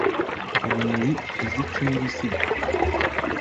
urumuri, fiziki n’ibisigo.